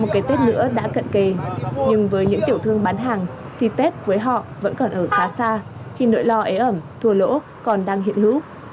một cái tết nữa đã cận kề nhưng với những tiểu thương bán hàng thì tết với họ vẫn còn ở khá xa khi nỗi lo ế ẩm thua lỗ còn đang hiện hữu